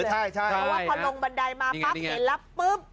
เพราะว่าพอลงบันไดมาปั๊บเห็นแล้วปุ๊บ